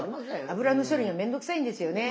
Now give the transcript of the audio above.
油の処理がめんどくさいんですよね。